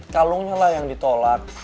kalungnya lah yang ditolak